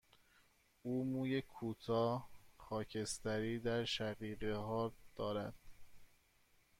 او موی کوتاه، خاکستری در شقیقه ها دارد.